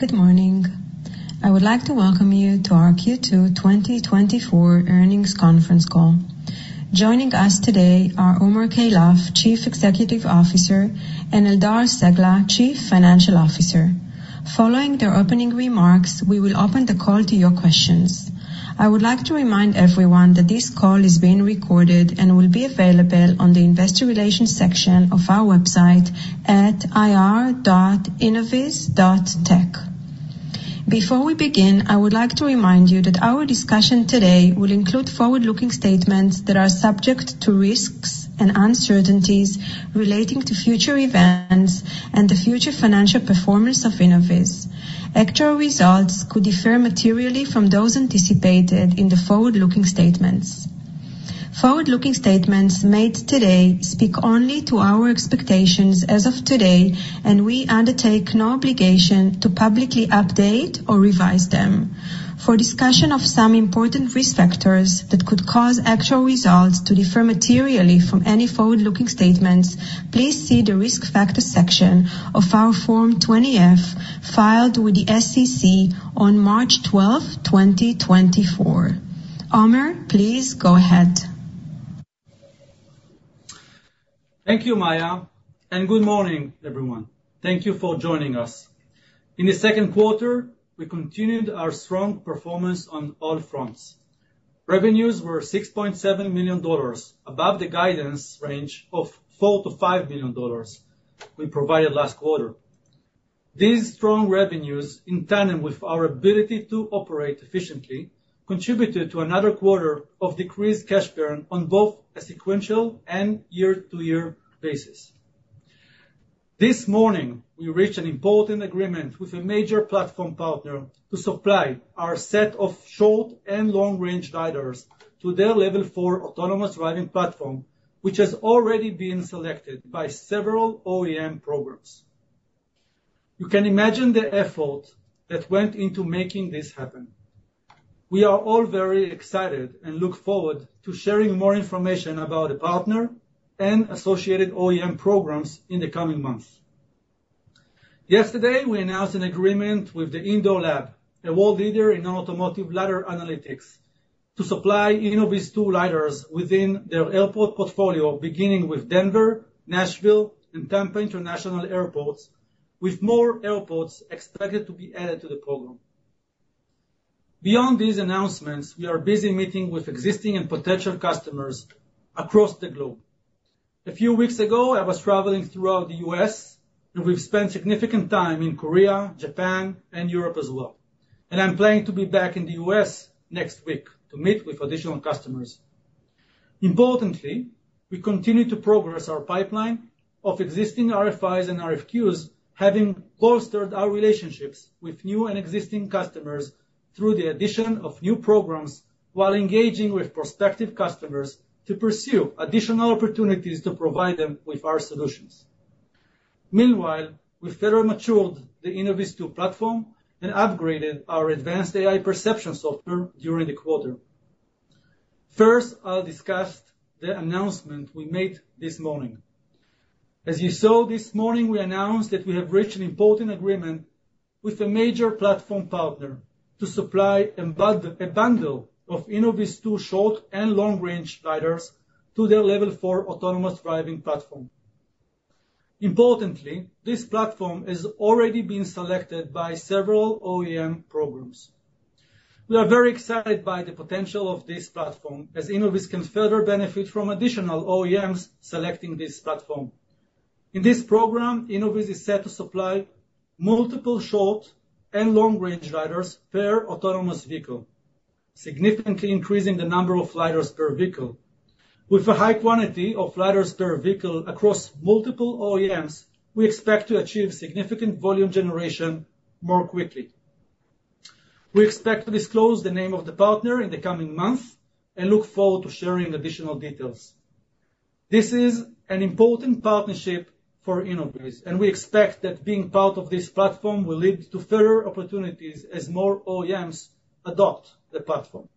Good morning. I would like to welcome you to our Q2 2024 earnings conference call. Joining us today are Omer Keilaf, Chief Executive Officer, and Eldar Cegla, Chief Financial Officer. Following their opening remarks, we will open the call to your questions. I would like to remind everyone that this call is being recorded and will be available on the investor relations section of our website at ir.innoviz.tech. Before we begin, I would like to remind you that our discussion today will include forward-looking statements that are subject to risks and uncertainties relating to future events and the future financial performance of Innoviz. Actual results could differ materially from those anticipated in the forward-looking statements. Forward-looking statements made today speak only to our expectations as of today, and we undertake no obligation to publicly update or revise them. For discussion of some important risk factors that could cause actual results to differ materially from any forward-looking statements, please see the Risk Factors section of our Form 20-F, filed with the SEC on March 12, 2024. Omer, please go ahead. Thank you, Maya, and good morning, everyone. Thank you for joining us. In the second quarter, we continued our strong performance on all fronts. Revenues were $6.7 million, above the guidance range of $4 million-$5 million we provided last quarter. These strong revenues, in tandem with our ability to operate efficiently, contributed to another quarter of decreased cash burn on both a sequential and year-to-year basis. This morning, we reached an important agreement with a major platform partner to supply our set of short- and long-range LiDARs to their Level 4 autonomous driving platform, which has already been selected by several OEM programs. You can imagine the effort that went into making this happen. We are all very excited and look forward to sharing more information about the partner and associated OEM programs in the coming months. Yesterday, we announced an agreement with The Indoor Lab, a world leader in automotive LiDAR analytics, to supply InnovizTwo LiDARs within their airport portfolio, beginning with Denver International, Nashville International, and Tampa International Airports, with more airports expected to be added to the program. Beyond these announcements, we are busy meeting with existing and potential customers across the globe. A few weeks ago, I was traveling throughout the U.S., and we've spent significant time in South Korea, Japan, and Europe as well, and I'm planning to be back in the U.S. next week to meet with additional customers. Importantly, we continue to progress our pipeline of existing RFIs and RFQs, having bolstered our relationships with new and existing customers through the addition of new programs, while engaging with prospective customers to pursue additional opportunities to provide them with our solutions. Meanwhile, we further matured the InnovizTwo platform and upgraded our advanced AI perception software during the quarter. First, I'll discuss the announcement we made this morning. As you saw this morning, we announced that we have reached an important agreement with a major platform partner to supply a bundle of InnovizTwo short- and long-range LiDARs to their Level 4 autonomous driving platform. Importantly, this platform has already been selected by several OEM programs. We are very excited by the potential of this platform as Innoviz can further benefit from additional OEMs selecting this platform. In this program, Innoviz is set to supply multiple short- and long-range LiDARs per autonomous vehicle, significantly increasing the number of LiDARs per vehicle. With a high quantity of LiDARs per vehicle across multiple OEMs, we expect to achieve significant volume generation more quickly. We expect to disclose the name of the partner in the coming months and look forward to sharing additional details. This is an important partnership for Innoviz, and we expect that being part of this platform will lead to further opportunities as more OEMs adopt the platform.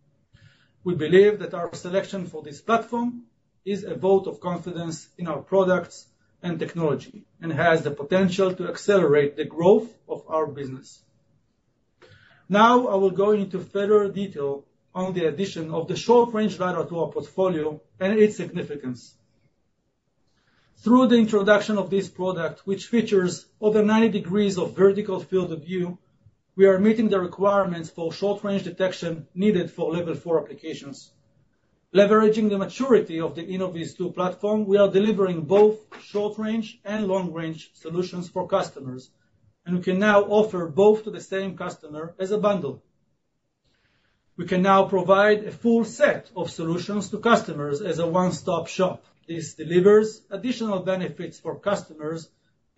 We believe that our selection for this platform is a vote of confidence in our products and technology and has the potential to accelerate the growth of our business. Now, I will go into further detail on the addition of the short-range LiDAR to our portfolio and its significance. Through the introduction of this product, which features over 90 degrees of vertical field of view, we are meeting the requirements for short-range detection needed for Level 4 applications. Leveraging the maturity of the InnovizTwo platform, we are delivering both short-range and long-range solutions for customers, and we can now offer both to the same customer as a bundle. We can now provide a full set of solutions to customers as a one-stop shop. This delivers additional benefits for customers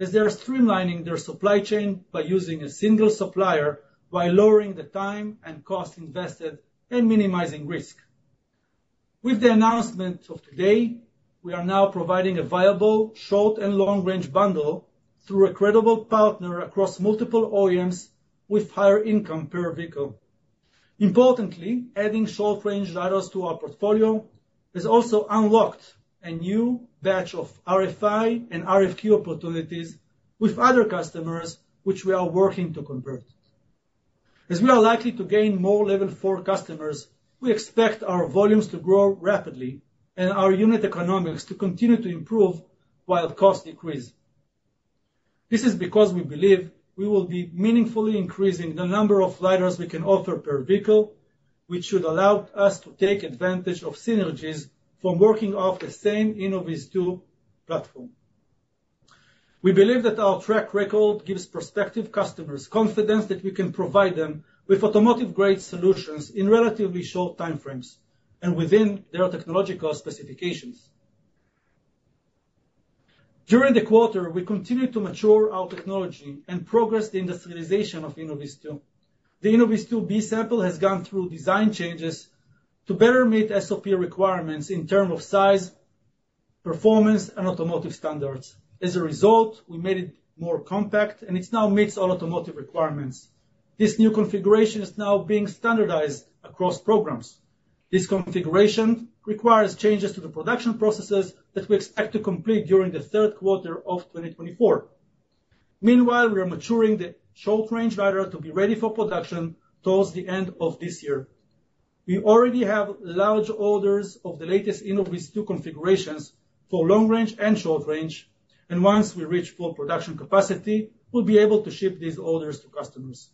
as they are streamlining their supply chain by using a single supplier while lowering the time and cost invested and minimizing risk. With the announcement of today, we are now providing a viable, short- and long-range bundle through a credible partner across multiple OEMs with higher income per vehicle. Importantly, adding short-range LiDARs to our portfolio has also unlocked a new batch of RFI and RFQ opportunities with other customers, which we are working to convert. As we are likely to gain more Level 4 customers, we expect our volumes to grow rapidly and our unit economics to continue to improve while costs decrease. This is because we believe we will be meaningfully increasing the number of LiDARs we can offer per vehicle, which should allow us to take advantage of synergies from working off the same InnovizTwo platform. We believe that our track record gives prospective customers confidence that we can provide them with automotive-grade solutions in relatively short time frames and within their technological specifications. During the quarter, we continued to mature our technology and progress the industrialization of InnovizTwo. The InnovizTwo B-Sample has gone through design changes to better meet SOP requirements in terms of size, performance, and automotive standards. As a result, we made it more compact and it now meets all automotive requirements. This new configuration is now being standardized across programs. This configuration requires changes to the production processes that we expect to complete during the third quarter of 2024. Meanwhile, we are maturing the short-range LiDAR to be ready for production towards the end of this year. We already have large orders of the latest InnovizTwo configurations for long-range and short-range, and once we reach full production capacity, we'll be able to ship these orders to customers.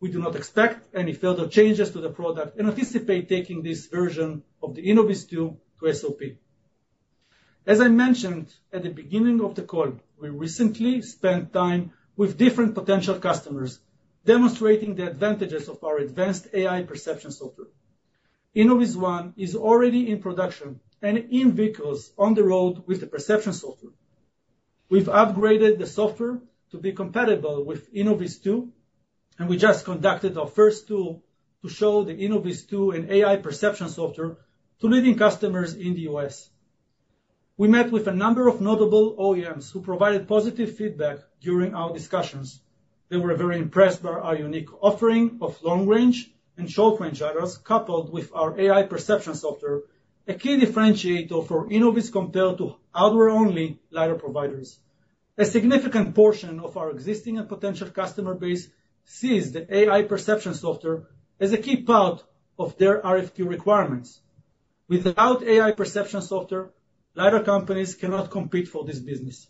We do not expect any further changes to the product and anticipate taking this version of the InnovizTwo to SOP. As I mentioned at the beginning of the call, we recently spent time with different potential customers, demonstrating the advantages of our advanced AI perception software. InnovizOne is already in production and in vehicles on the road with the perception software. We've upgraded the software to be compatible with InnovizTwo, and we just conducted our first tour to show the InnovizTwo and AI perception software to leading customers in the U.S. We met with a number of notable OEMs who provided positive feedback during our discussions. They were very impressed by our unique offering of long-range and short-range LiDARs, coupled with our AI perception software, a key differentiator for Innoviz compared to hardware-only LiDAR providers. A significant portion of our existing and potential customer base sees the AI perception software as a key part of their RFQ requirements. Without AI perception software, LiDAR companies cannot compete for this business.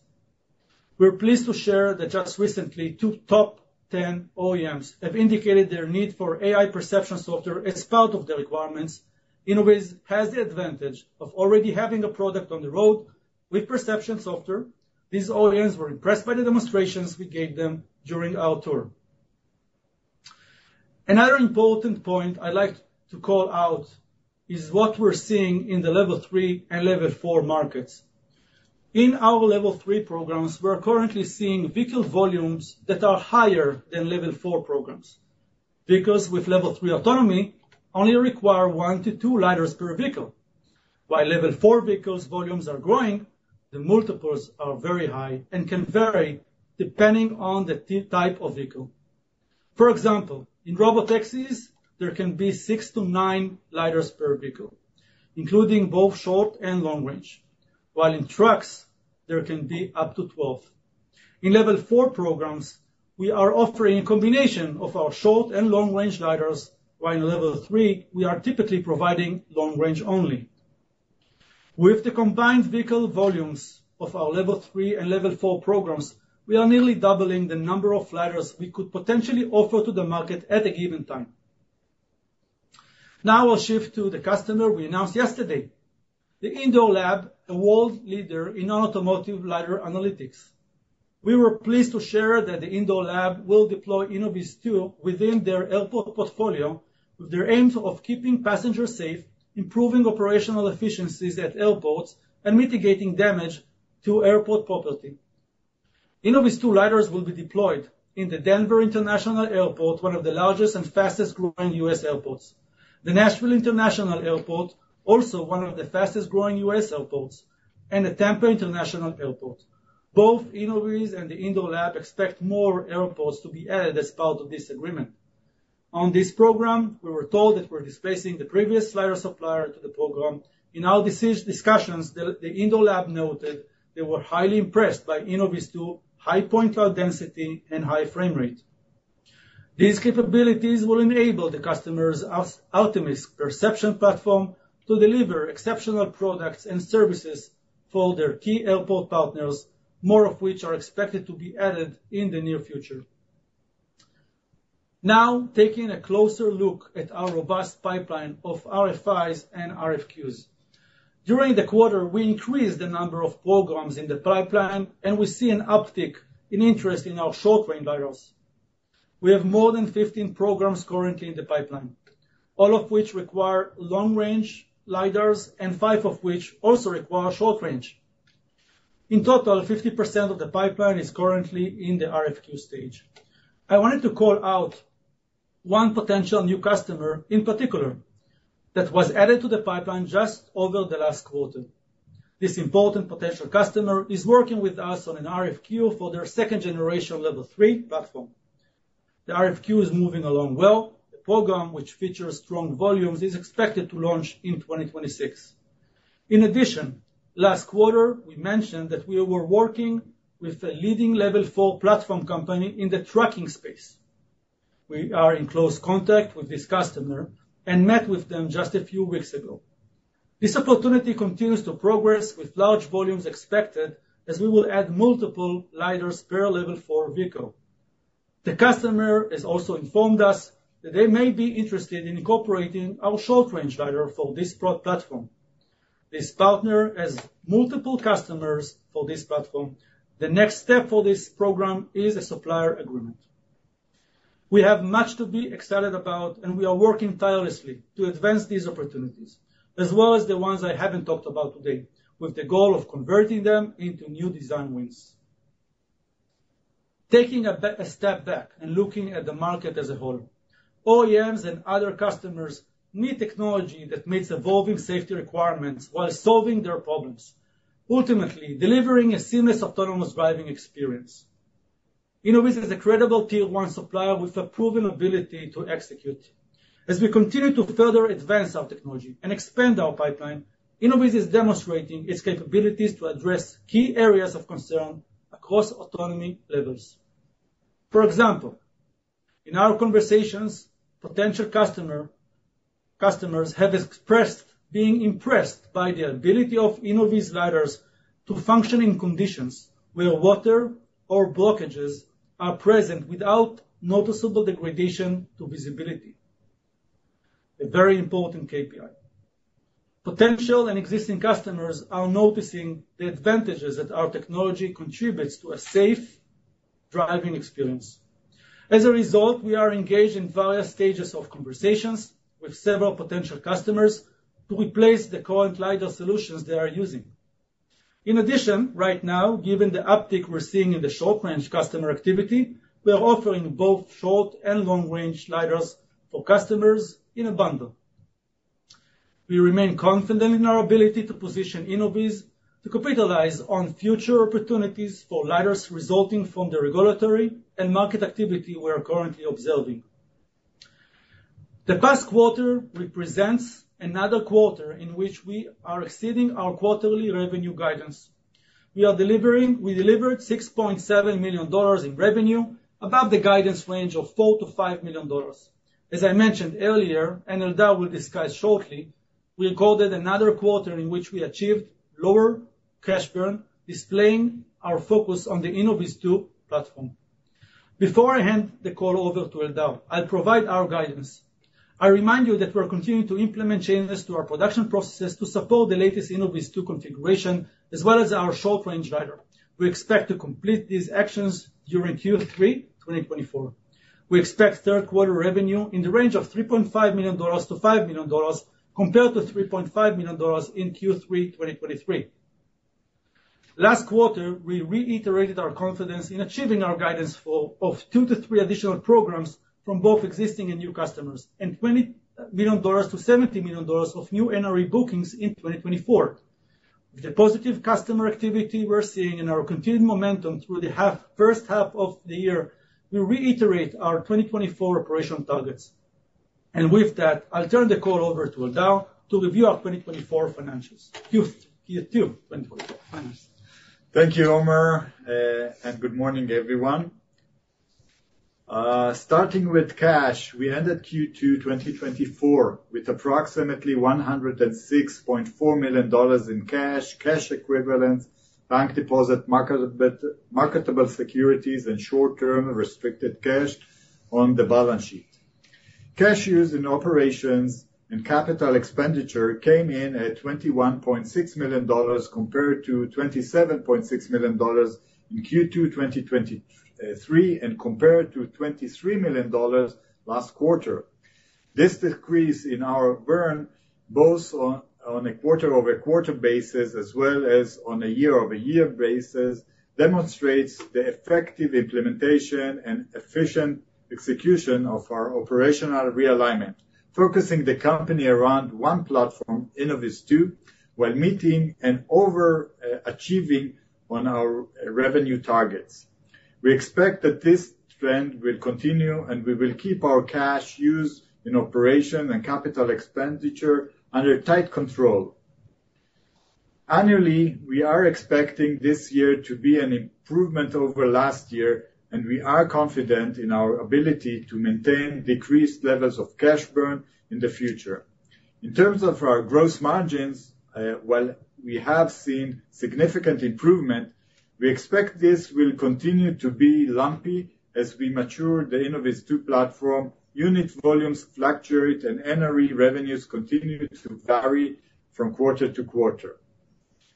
We're pleased to share that just recently, two top 10 OEMs have indicated their need for AI perception software as part of their requirements. Innoviz has the advantage of already having a product on the road with perception software. These OEMs were impressed by the demonstrations we gave them during our tour. Another important point I'd like to call out is what we're seeing in the Level 3 and Level 4 markets. In our Level 3 programs, we are currently seeing vehicle volumes that are higher than Level 4 programs. Vehicles with Level 3 autonomy only require 1 LiDAR-2 LiDARs per vehicle. While Level 4 vehicles volumes are growing, the multiples are very high and can vary depending on the type of vehicle. For example, in robotaxis, there can be 6 LiDARs-9 LiDARs per vehicle, including both short and long range, while in trucks, there can be up to 12 LiDARs. In Level 4 programs, we are offering a combination of our short and long-range LiDARs, while in Level 3, we are typically providing long-range only. With the combined vehicle volumes of our Level 3 and Level 4 programs, we are nearly doubling the number of LiDARs we could potentially offer to the market at a given time. Now I'll shift to the customer we announced yesterday. The Indoor Lab, a world leader in automotive LiDAR analytics. We were pleased to share that the Indoor Lab will deploy InnovizTwo within their airport portfolio, with their aims of keeping passengers safe, improving operational efficiencies at airports, and mitigating damage to airport property. InnovizTwo LiDARs will be deployed in the Denver International Airport, one of the largest and fastest growing U.S. airports. The Nashville International Airport, also one of the fastest growing U.S. airports, and the Tampa International Airport. Both Innoviz and the Indoor Lab expect more airports to be added as part of this agreement. On this program, we were told that we're displacing the previous LiDAR supplier to the program. In our discussions, The Indoor Lab noted they were highly impressed by InnovizTwo, high point cloud density and high-frame rate. These capabilities will enable the customer's Artemis perception platform to deliver exceptional products and services for their key airport partners, more of which are expected to be added in the near future. Now, taking a closer look at our robust pipeline of RFIs and RFQs. During the quarter, we increased the number of programs in the pipeline, and we see an uptick in interest in our short-range LiDARs. We have more than 15 programs currently in the pipeline, all of which require long-range LiDARs, and five of which also require short-range. In total, 50% of the pipeline is currently in the RFQ stage. I wanted to call out one potential new customer, in particular, that was added to the pipeline just over the last quarter. This important potential customer is working with us on an RFQ for their second-generation Level 3 platform. The RFQ is moving along well. The program, which features strong volumes, is expected to launch in 2026. In addition, last quarter, we mentioned that we were working with a leading Level 4 platform company in the trucking space. We are in close contact with this customer and met with them just a few weeks ago. This opportunity continues to progress with large volumes expected as we will add multiple LiDARs per Level 4 vehicle. The customer has also informed us that they may be interested in incorporating our short-range LiDAR for this product platform. This partner has multiple customers for this platform. The next step for this program is a supplier agreement. We have much to be excited about, and we are working tirelessly to advance these opportunities, as well as the ones I haven't talked about today, with the goal of converting them into new design wins. Taking a step back and looking at the market as a whole, OEMs and other customers need technology that meets evolving safety requirements while solving their problems, ultimately delivering a seamless, autonomous driving experience. Innoviz is a credible Tier 1 supplier with a proven ability to execute. As we continue to further advance our technology and expand our pipeline, Innoviz is demonstrating its capabilities to address key areas of concern across autonomy levels. For example, in our conversations, potential customer, customers have expressed being impressed by the ability of Innoviz LiDARs to function in conditions where water or blockages are present without noticeable degradation to visibility, a very important KPI. Potential and existing customers are noticing the advantages that our technology contributes to a safe driving experience. As a result, we are engaged in various stages of conversations with several potential customers to replace the current LiDAR solutions they are using. In addition, right now, given the uptick we're seeing in the short-range customer activity, we are offering both short- and long-range LiDARs for customers in a bundle. We remain confident in our ability to position Innoviz to capitalize on future opportunities for LiDARs resulting from the regulatory and market activity we are currently observing. The past quarter represents another quarter in which we are exceeding our quarterly revenue guidance. We delivered $6.7 million in revenue, above the guidance range of $4 million-$5 million. As I mentioned earlier, and Eldar will discuss shortly, we recorded another quarter in which we achieved lower cash burn, displaying our focus on the InnovizTwo platform. Before I hand the call over to Eldar, I'll provide our guidance. I remind you that we are continuing to implement changes to our production processes to support the latest InnovizTwo configuration, as well as our short-range LiDAR. We expect to complete these actions during Q3 2024. We expect third quarter revenue in the range of $3.5 million-$5 million, compared to $3.5 million in Q3 2023. Last quarter, we reiterated our confidence in achieving our guidance for two to three additional programs from both existing and new customers, and $20 million-$70 million of new NRE bookings in 2024. With the positive customer activity we're seeing and our continued momentum through the half, first half of the year, we reiterate our 2024 operational targets. With that, I'll turn the call over to Eldar to review our 2024 financials. Q2 2024 financials. Thank you, Omer, and good morning, everyone. Starting with cash, we ended Q2 2024 with approximately $106.4 million in cash, cash equivalents, bank deposits, marketable securities, and short-term restricted cash on the balance sheet. Cash use in operations and capital expenditure came in at $21.6 million, compared to $27.6 million in Q2 2023, and compared to $23 million last quarter. This decrease in our burn, both on a quarter-over-quarter basis as well as on a year-over-year basis, demonstrates the effective implementation and efficient execution of our operational realignment, focusing the company around one platform, InnovizTwo, while meeting and overachieving on our revenue targets. We expect that this trend will continue, and we will keep our cash use in operation and capital expenditure under tight control. Annually, we are expecting this year to be an improvement over last year, and we are confident in our ability to maintain decreased levels of cash burn in the future. In terms of our gross margins, while we have seen significant improvement, we expect this will continue to be lumpy as we mature the InnovizTwo platform, unit volumes fluctuate, and NRE revenues continue to vary from quarter to quarter.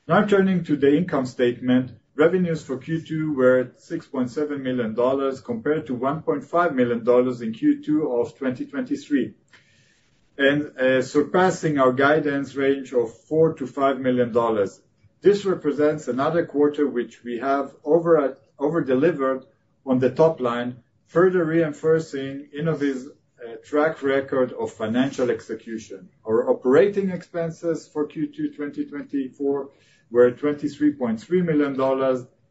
Now, turning to the income statement, revenues for Q2 were $6.7 million, compared to $1.5 million in Q2 of 2023, and surpassing our guidance range of $4 million-$5 million. This represents another quarter which we have over-delivered on the top line, further reinforcing Innoviz track record of financial execution. Our operating expenses for Q2 2024 were $23.3 million,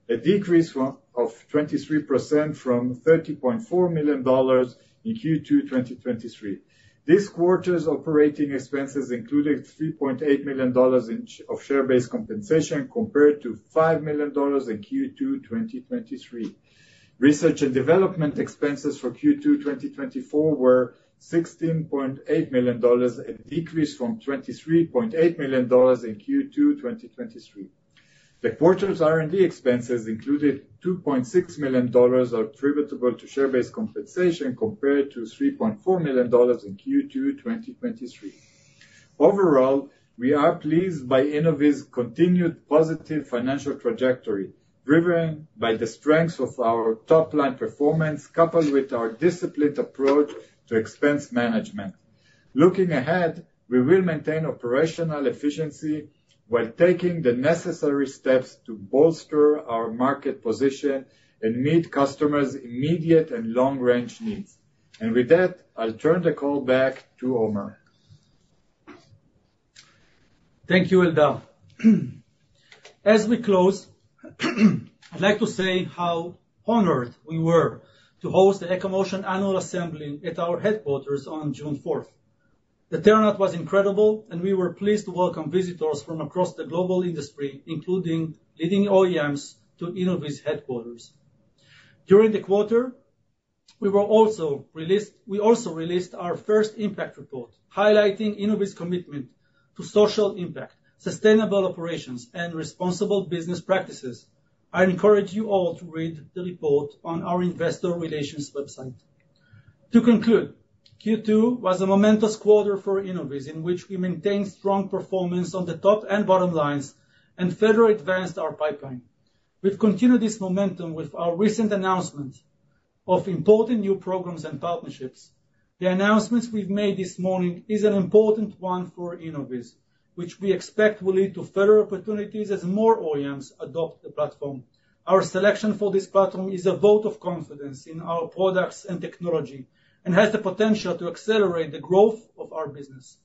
a decrease of 23% from $30.4 million in Q2 2023. This quarter's operating expenses included $3.8 million in share-based compensation compared to $5 million in Q2 2023. Research and development expenses for Q2 2024 were $16.8 million, a decrease from $23.8 million in Q2 2023. The quarter's R&D expenses included $2.6 million attributable to share-based compensation, compared to $3.4 million in Q2 2023. Overall, we are pleased by Innoviz continued positive financial trajectory, driven by the strength of our top-line performance, coupled with our disciplined approach to expense management. Looking ahead, we will maintain operational efficiency while taking the necessary steps to bolster our market position and meet customers' immediate and long-range needs. With that, I'll turn the call back to Omer. Thank you, Eldar. As we close, I'd like to say how honored we were to host the EcoMotion Annual Assembly at our headquarters on June 4th. The turnout was incredible, and we were pleased to welcome visitors from across the global industry, including leading OEMs, to Innoviz headquarters. During the quarter, we also released our first impact report, highlighting Innoviz commitment to social impact, sustainable operations, and responsible business practices. I encourage you all to read the report on our investor relations website. To conclude, Q2 was a momentous quarter for Innoviz, in which we maintained strong performance on the top and bottom lines and further advanced our pipeline. We've continued this momentum with our recent announcement of important new programs and partnerships. The announcements we've made this morning is an important one for Innoviz, which we expect will lead to further opportunities as more OEMs adopt the platform. Our selection for this platform is a vote of confidence in our products and technology and has the potential to accelerate the growth of our business.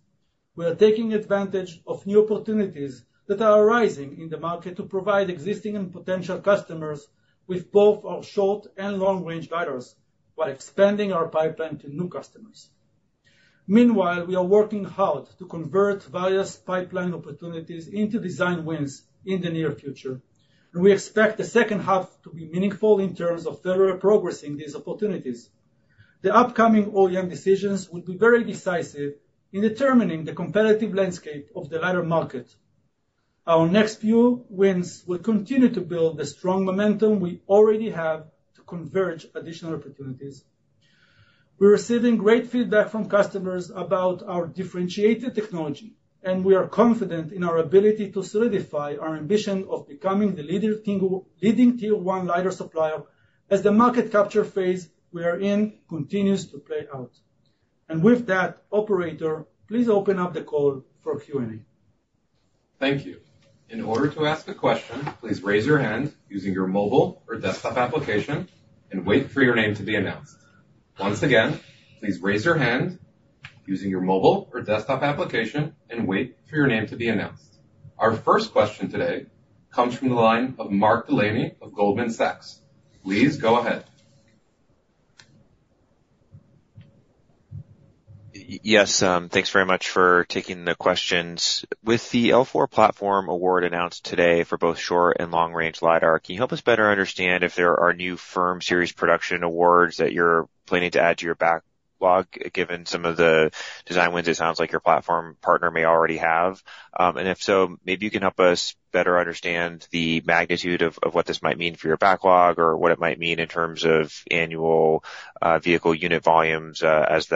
We are taking advantage of new opportunities that are arising in the market to provide existing and potential customers with both our short- and long-range LiDARs, while expanding our pipeline to new customers. Meanwhile, we are working hard to convert various pipeline opportunities into design wins in the near future, and we expect the second half to be meaningful in terms of further progressing these opportunities. The upcoming OEM decisions will be very decisive in determining the competitive landscape of the LiDAR market. Our next few wins will continue to build the strong momentum we already have to converge additional opportunities. We're receiving great feedback from customers about our differentiated technology, and we are confident in our ability to solidify our ambition of becoming the leading Tier 1 LiDAR supplier as the market capture phase we are in continues to play out. And with that, operator, please open up the call for Q&A. Thank you. In order to ask a question, please raise your hand using your mobile or desktop application and wait for your name to be announced. Once again, please raise your hand using your mobile or desktop application and wait for your name to be announced. Our first question today comes from the line of Mark Delaney of Goldman Sachs. Please go ahead. Yes, thanks very much for taking the questions. With the L4 platform award announced today for both short- and long-range LiDAR, can you help us better understand if there are new firm series production awards that you're planning to add to your backlog, given some of the design wins it sounds like your platform partner may already have? And if so, maybe you can help us better understand the magnitude of what this might mean for your backlog or what it might mean in terms of annual vehicle unit volumes as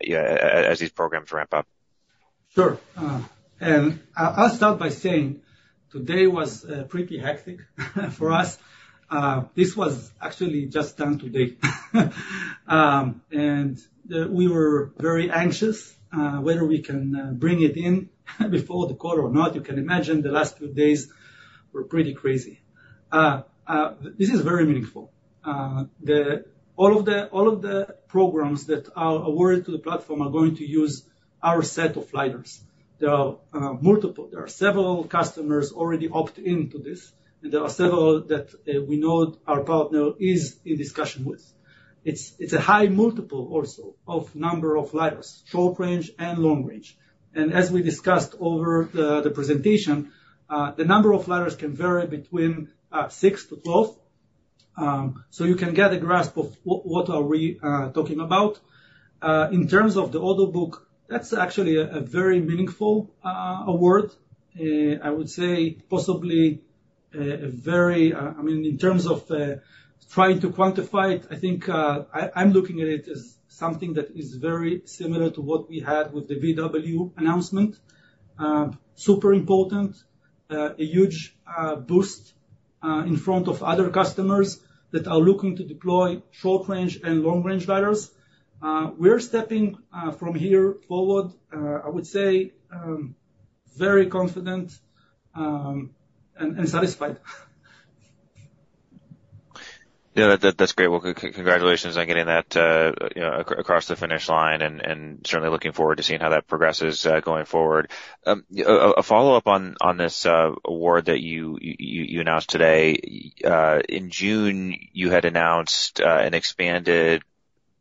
these programs ramp up. Sure. I'll start by saying today was pretty hectic for us. This was actually just done today. We were very anxious whether we can bring it in before the call or not. You can imagine the last few days were pretty crazy. This is very meaningful. All of the programs that are awarded to the platform are going to use our set of LiDARs. There are multiple. There are several customers already opt-in to this, and there are several that we know our partner is in discussion with. It's a high multiple also of number of LiDARs, short range and long range. And as we discussed over the presentation, the number of LiDARs can vary between six to 12. So you can get a grasp of what we are talking about. In terms of the order book, that's actually a very meaningful award. I would say possibly a very... I mean, in terms of trying to quantify it, I think, I'm looking at it as something that is very similar to what we had with the VW announcement. Super important, a huge boost in front of other customers that are looking to deploy short-range and long-range LiDARs. We're stepping from here forward, I would say very confident and satisfied. Yeah, that's great. Well, congratulations on getting that, you know, across the finish line, and certainly looking forward to seeing how that progresses, going forward. A follow-up on this award that you announced today. In June, you had announced an expanded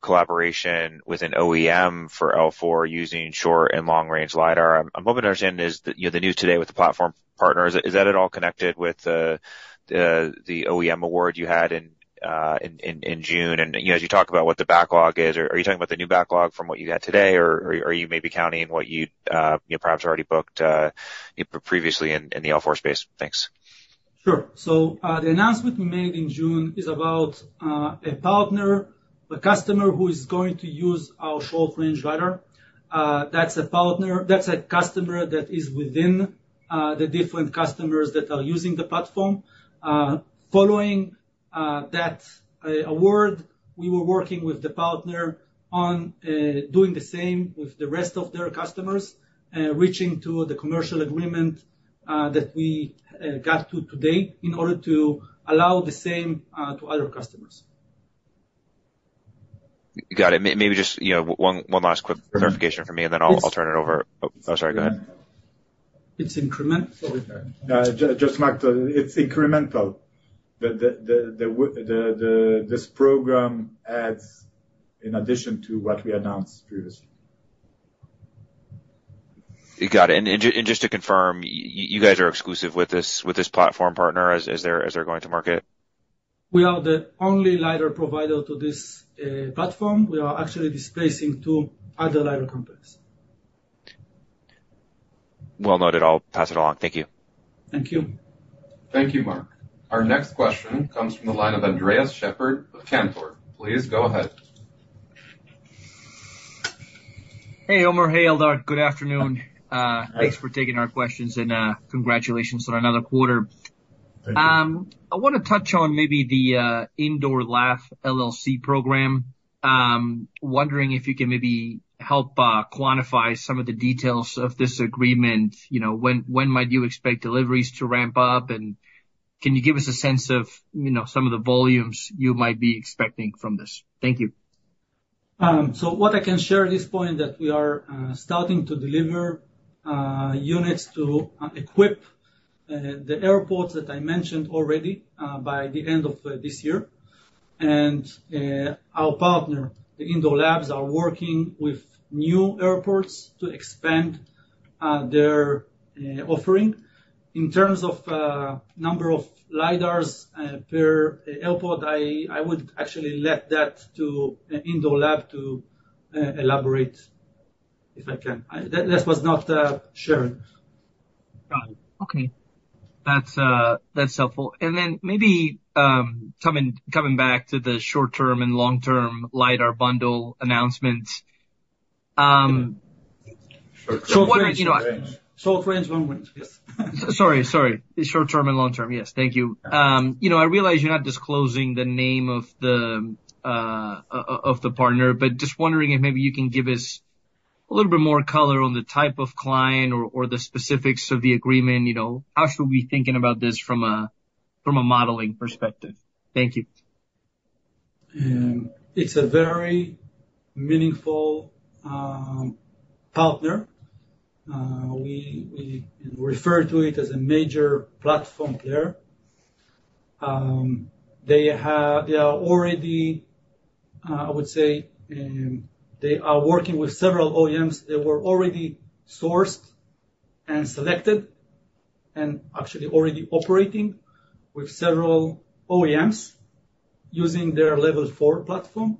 collaboration with an OEM for L4 using short and long-range LiDAR. I'm hoping to understand is, you know, the news today with the platform partners, is that at all connected with the OEM award you had in June? And, you know, as you talk about what the backlog is, are you talking about the new backlog from what you got today, or are you maybe counting what you, you know, perhaps already booked previously in the L4 space? Thanks. Sure. So, the announcement we made in June is about a partner, a customer who is going to use our short-range LiDAR. That's a partner, that's a customer that is within the different customers that are using the platform. Following that award, we were working with the partner on doing the same with the rest of their customers, reaching to the commercial agreement that we got to today in order to allow the same to other customers. Got it. Maybe just, you know, one last quick clarification for me, and then I'll turn it over. Oh, sorry, go ahead. It's incremental. Just to add, Mark, it's incremental. This program adds in addition to what we announced previously. Got it. Just to confirm, you guys are exclusive with this, with this platform partner as they're going to market? We are the only LiDAR provider to this platform. We are actually displacing two other LiDAR companies. Well noted. I'll pass it along. Thank you. Thank you. Thank you, Mark. Our next question comes from the line of Andres Sheppard of Cantor. Please go ahead. Hey, Omer, hey, Eldar. Good afternoon. Hi. Thanks for taking our questions, and congratulations on another quarter. Thank you. I wanna touch on maybe the Indoor Lab LLC program. Wondering if you can maybe help quantify some of the details of this agreement. You know, when, when might you expect deliveries to ramp up? And can you give us a sense of, you know, some of the volumes you might be expecting from this? Thank you. So what I can share at this point, that we are starting to deliver units to equip the airports that I mentioned already by the end of this year. And our partner, The Indoor Lab, are working with new airports to expand their offering. In terms of number of LiDARs per airport, I would actually let that to The Indoor Lab to elaborate, if I can. That was not shared. Got it. Okay. That's, that's helpful. And then maybe, coming back to the short-range and long-range LiDAR bundle announcements. Short-range, long-range. Yes. Sorry, sorry. Short term and long term. Yes, thank you. You know, I realize you're not disclosing the name of the partner, but just wondering if maybe you can give us a little bit more color on the type of client or the specifics of the agreement, you know, how should we be thinking about this from a modeling perspective? Thank you. It's a very meaningful partner. We refer to it as a major platform player. They are already, I would say, they are working with several OEMs. They were already sourced and selected and actually already operating with several OEMs using their Level 4 platform.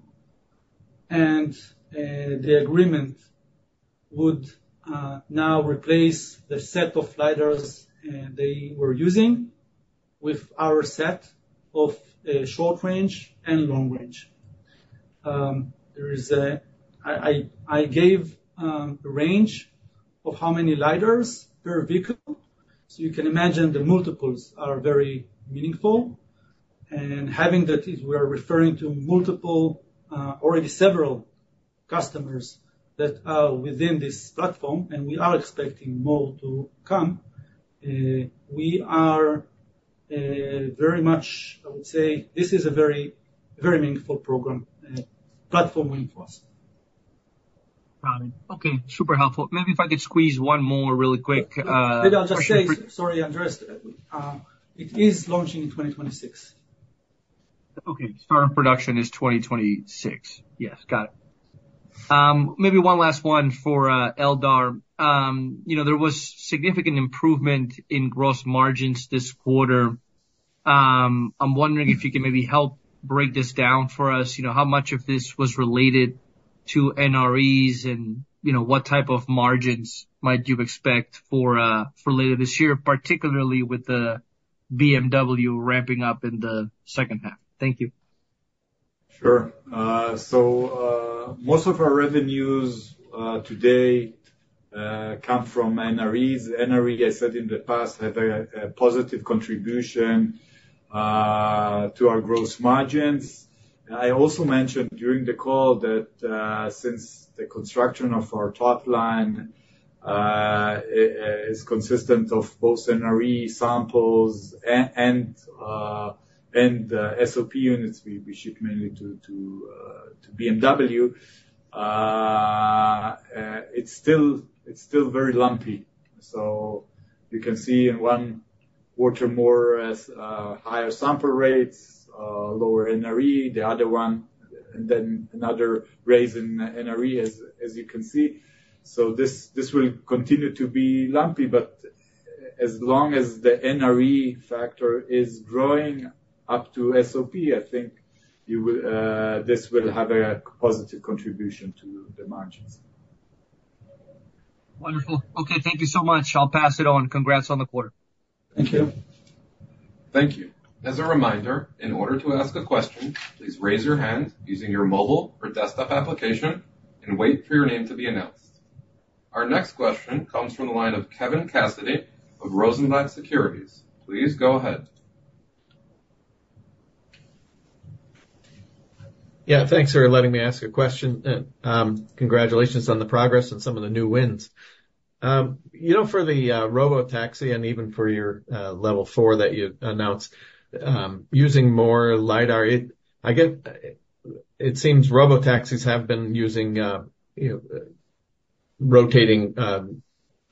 And the agreement would now replace the set of LiDARs they were using with our set of short-range and long-range. There is a... I gave a range of how many LiDARs per vehicle, so you can imagine the multiples are very meaningful. And having that is, we are referring to multiple already several customers that are within this platform, and we are expecting more to come. We are very much, I would say, this is a very, very meaningful program platform win for us. Got it. Okay, super helpful. Maybe if I could squeeze one more really quick. I'll just say, sorry, Andres, it is launching in 2026. Okay. Start of production is 2026. Yes, got it. Maybe one last one for, Eldar. You know, there was significant improvement in gross margins this quarter. I'm wondering if you can maybe help break this down for us. You know, how much of this was related to NREs, and, you know, what type of margins might you expect for, for later this year, particularly with the BMW ramping up in the second half? Thank you. Sure. So, most of our revenues today come from NREs. NRE, I said in the past, have a positive contribution to our gross margins. I also mentioned during the call that since the construction of our top line is consistent of both NRE samples and SOP units we ship mainly to BMW, it's still very lumpy. So you can see in one quarter, more as higher sample rates, lower NRE, the other one, and then another raise in NRE, as you can see. So this will continue to be lumpy, but as long as the NRE factor is growing up to SOP, I think you will this will have a positive contribution to the margins. Wonderful. Okay, thank you so much. I'll pass it on. Congrats on the quarter. Thank you. Thank you. As a reminder, in order to ask a question, please raise your hand using your mobile or desktop application and wait for your name to be announced. Our next question comes from the line of Kevin Cassidy of Rosenblatt Securities. Please go ahead. Yeah, thanks for letting me ask a question. Congratulations on the progress and some of the new wins. You know, for the robotaxi, and even for your Level 4 that you announced, using more LiDAR. It seems robotaxis have been using you rotating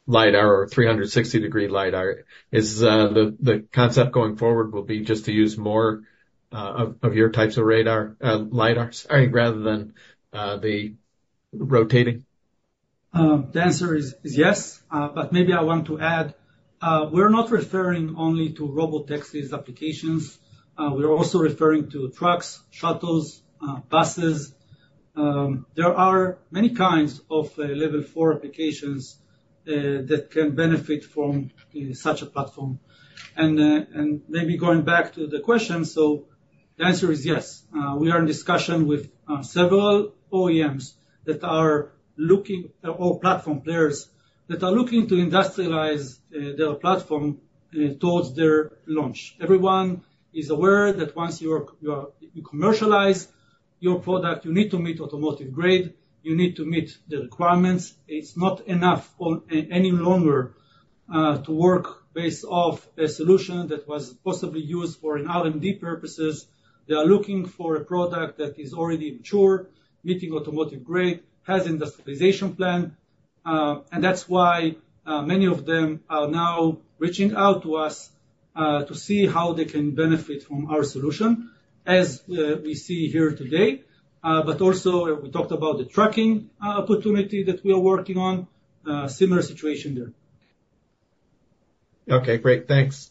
LiDAR or 360-degree LiDAR. Is the concept going forward just to use more of your types of radar, LiDARs, sorry, rather than the rotating? The answer is yes. But maybe I want to add, we're not referring only to robotaxi applications. We are also referring to trucks, shuttles, buses. There are many kinds of Level 4 applications that can benefit from such a platform. And maybe going back to the question, so the answer is yes. We are in discussion with several OEMs that are looking, or platform players, that are looking to industrialize their platform towards their launch. Everyone is aware that once you commercialize your product, you need to meet automotive grade, you need to meet the requirements. It's not enough any longer to work based off a solution that was possibly used for an R&D purposes. They are looking for a product that is already mature, meeting automotive grade, has industrialization plan, and that's why many of them are now reaching out to us to see how they can benefit from our solution, as we see here today. But also, we talked about the tracking opportunity that we are working on, similar situation there. Okay, great. Thanks.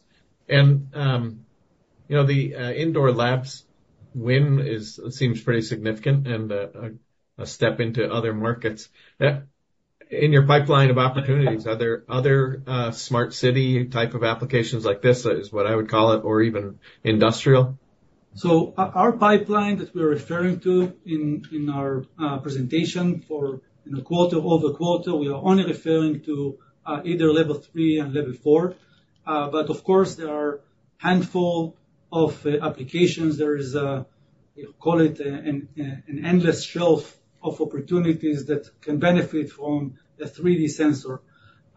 And, you know, the Indoor Lab's win seems pretty significant and a step into other markets. In your pipeline of opportunities, are there other smart city type of applications like this, is what I would call it, or even industrial? So our pipeline that we're referring to in our presentation for in the quarter. Over the quarter, we are only referring to either Level 3 and Level 4. But of course, there are handful of applications. There is a, call it, an endless shelf of opportunities that can benefit from the 3D sensor.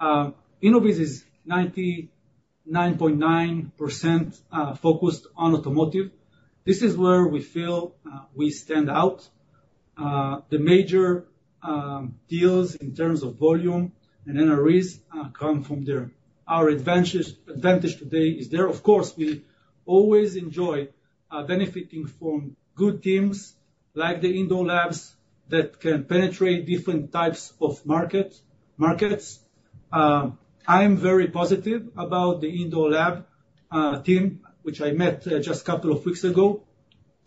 Innoviz is 99.9% focused on automotive. This is where we feel we stand out. The major deals in terms of volume and NREs come from there. Our advantage today is there. Of course, we always enjoy benefiting from good teams, like the Indoor Lab, that can penetrate different types of markets. I am very positive about the Indoor Lab team, which I met just a couple of weeks ago.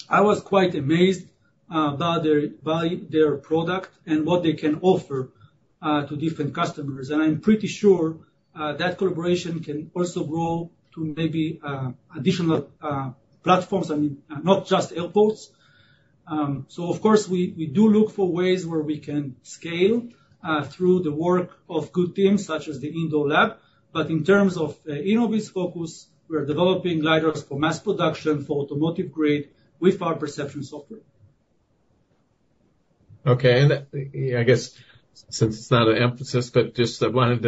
I was quite amazed by their product and what they can offer to different customers. I'm pretty sure that collaboration can also grow to maybe additional platforms and not just airports. Of course, we do look for ways where we can scale through the work of good teams such as the Indoor Lab. But in terms of Innoviz focus, we are developing LiDARs for mass production for automotive grade with our perception software. Okay. I guess since it's not an emphasis, but just I wanted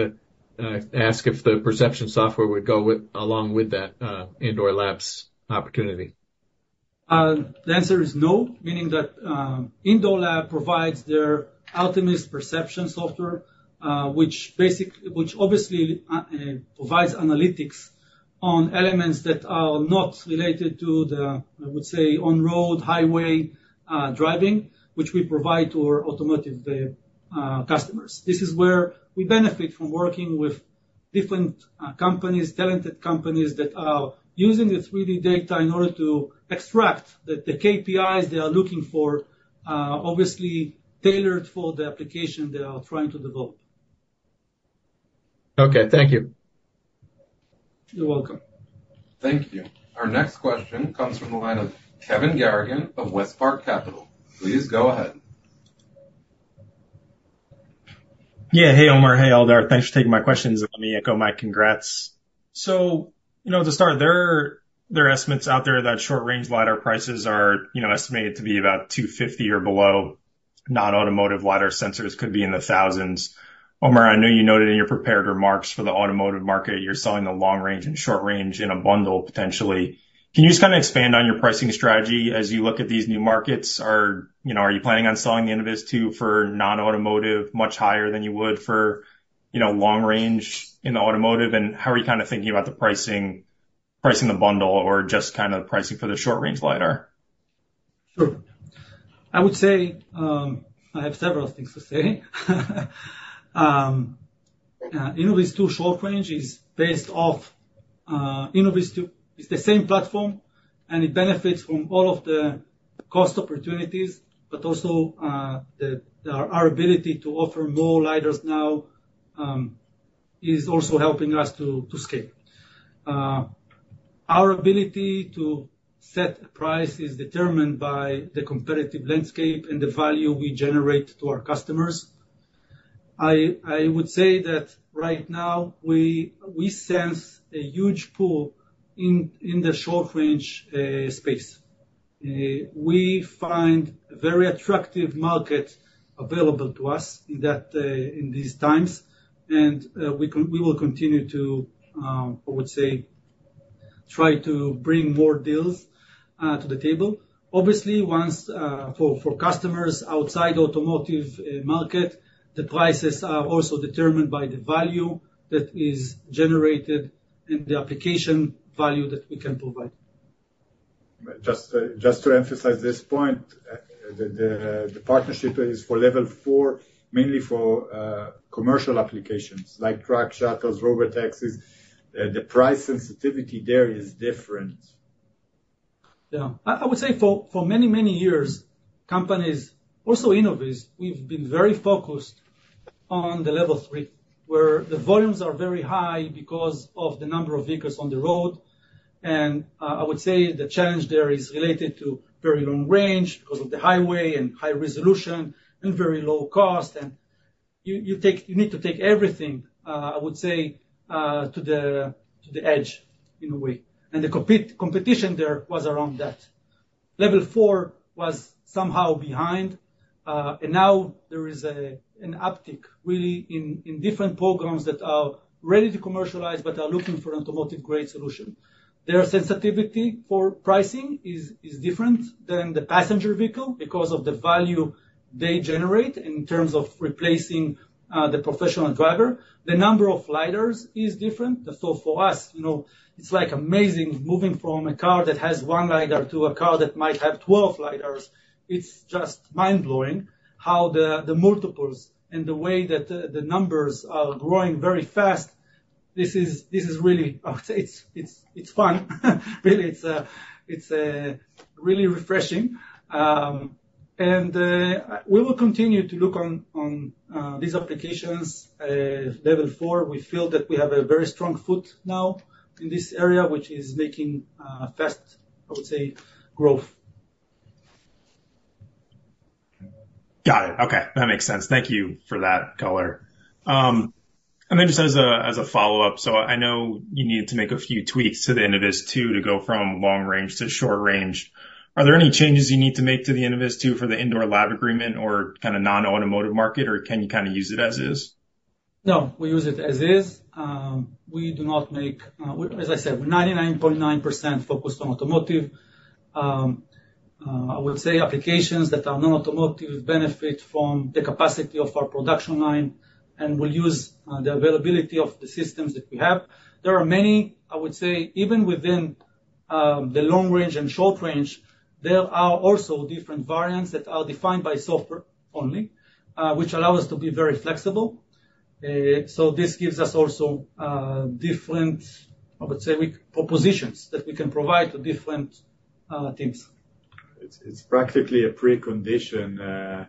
to ask if the perception software would go with, along with that, Indoor Lab opportunity? The answer is no. Meaning that, Indoor Lab provides their Artemis perception software, which obviously provides analytics on elements that are not related to the, I would say, on-road, highway driving, which we provide to our automotive customers. This is where we benefit from working with different companies, talented companies, that are using the 3D data in order to extract the KPIs they are looking for, obviously tailored for the application they are trying to develop. Okay, thank you. You're welcome. Thank you. Our next question comes from the line of Kevin Garrigan of WestPark Capital. Please go ahead. Yeah. Hey, Omer. Hey, Eldar. Thanks for taking my questions. Let me echo my congrats. So, you know, to start, there are estimates out there that short-range LiDAR prices are, you know, estimated to be about $250 or below. Non-automotive LiDAR sensors could be in the thousands. Omer, I know you noted in your prepared remarks for the automotive market, you're selling the long-range and short-range in a bundle, potentially. Can you just kinda expand on your pricing strategy as you look at these new markets? Are, you know, you planning on selling the InnovizTwo for non-automotive much higher than you would for, you know, long range in the automotive? And how are you kind of thinking about the pricing, pricing the bundle or just kind of pricing for the short range LiDAR? Sure. I would say, I have several things to say. InnovizTwo short-range is based off, InnovizTwo. It's the same platform, and it benefits from all of the cost opportunities, but also, our ability to offer more LiDARs now is also helping us to scale. Our ability to set price is determined by the competitive landscape and the value we generate to our customers. I would say that right now, we sense a huge pool in the short-range space. We find very attractive market available to us in that, in these times, and, we will continue to, I would say, try to bring more deals to the table. Obviously, once for customers outside automotive market, the prices are also determined by the value that is generated and the application value that we can provide. Just, just to emphasize this point, the partnership is for Level 4, mainly for commercial applications like truck shuttles, robotaxis. The price sensitivity there is different. Yeah. I would say for many, many years, companies, also Innoviz, we've been very focused on the Level 3, where the volumes are very high because of the number of vehicles on the road. And I would say the challenge there is related to very long range because of the highway and high resolution and very low cost. And you need to take everything to the edge, in a way. And the competition there was around that. Level 4 was somehow behind, and now there is an uptick, really, in different programs that are ready to commercialize but are looking for an automotive-grade solution. Their sensitivity for pricing is different than the passenger vehicle because of the value they generate in terms of replacing the professional driver. The number of LiDARs is different. So for us, you know, it's like amazing moving from a car that has one LiDAR to a car that might have 12 LiDARs. It's just mind-blowing how the multiples and the way that the numbers are growing very fast. This is really. I would say it's fun. Really, it's really refreshing. And we will continue to look on these applications. Level 4, we feel that we have a very strong foot now in this area, which is making fast, I would say, growth. Got it. Okay, that makes sense. Thank you for that color. And then just as a follow-up, so I know you needed to make a few tweaks to the InnovizTwo to go from long-range to short-range. Are there any changes you need to make to the InnovizTwo for the Indoor Lab agreement or kind of non-automotive market, or can you kind of use it as is? No, we use it as is. We do not make. As I said, we're 99.9% focused on automotive. I would say applications that are non-automotive benefit from the capacity of our production line and will use the availability of the systems that we have. There are many, I would say, even within the long range and short range, there are also different variants that are defined by software only, which allow us to be very flexible. So this gives us also different, I would say, propositions that we can provide to different teams. It's practically a precondition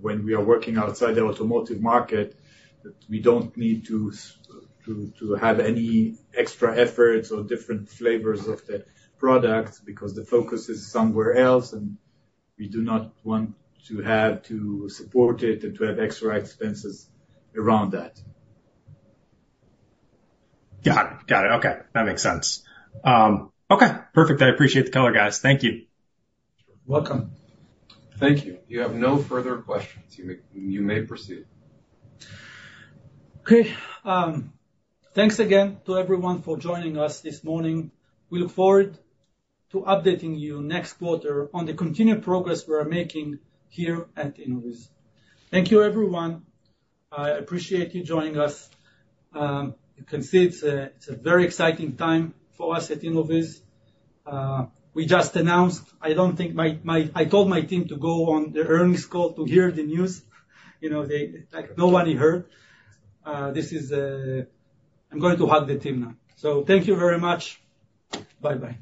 when we are working outside the automotive market, that we don't need to have any extra efforts or different flavors of the product because the focus is somewhere else, and we do not want to have to support it and to have extra expenses around that. Got it. Got it. Okay, that makes sense. Okay, perfect. I appreciate the color, guys. Thank you. Welcome. Thank you. You have no further questions. You may proceed. Okay, thanks again to everyone for joining us this morning. We look forward to updating you next quarter on the continued progress we are making here at Innoviz. Thank you, everyone. I appreciate you joining us. You can see it's a very exciting time for us at Innoviz. We just announced... I don't think I told my team to go on the earnings call to hear the news. You know, they like, nobody heard. This is... I'm going to hug the team now. So thank you very much. Bye-bye.